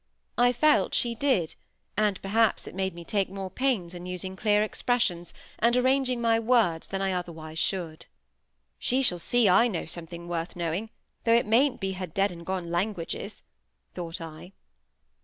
I felt she did; and perhaps it made me take more pains in using clear expressions, and arranging my words, than I otherwise should. "She shall see I know something worth knowing, though it mayn't be her dead and gone languages," thought I.